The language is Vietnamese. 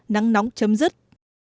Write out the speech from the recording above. nắng nóng chấm dứt